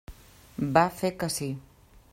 Va fer que sí.